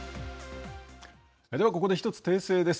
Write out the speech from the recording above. では、ここで１つ訂正です。